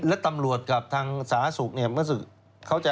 และตำรวจกับทางสาธารณสุขเนี่ยเมื่อเขาจะ